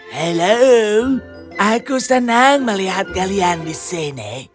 halo aku senang melihat kalian di sini